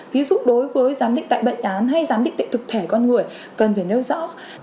ví dụ đối với giám định tại bệnh án hay giám định tệ thực thể con người cần phải nêu rõ